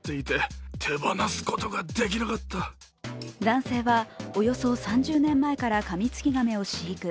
男性は、およそ３０年前からカミツキガメを飼育。